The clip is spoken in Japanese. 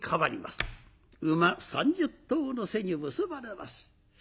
馬３０頭の背に結ばれます。